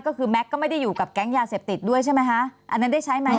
ก็คือแม็กซ์ก็ไม่ได้อยู่กับแก๊งยาเสพติดด้วยใช่ไหมคะอันนั้นได้ใช้ไหม